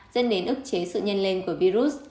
dân đến ức chế sự nhân lên của virus